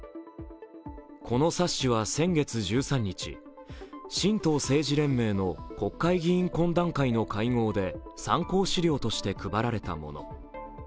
この冊子は先月１３日神道政治連盟の国会議員懇談会の会合で参考資料として配られたもの。